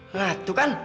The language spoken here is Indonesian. nah itu kan